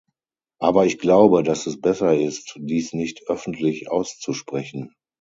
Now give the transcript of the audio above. Aber ich glaube, dass es besser ist, dies nicht öffentlich auszusprechen.